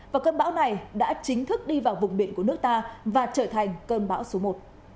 và cơn bão này đã chính thức đi vào vùng biển của nước ta và trở thành cơn bão số một